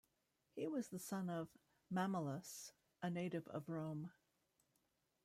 He was the son of Mammalus, a native of Rome.